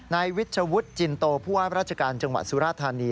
นายวิชวุฒิจินโตผู้ว่าราชการจังหวัดสุราธานี